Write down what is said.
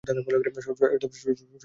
শরৎ doctor সুবিধা বুঝিলেন না।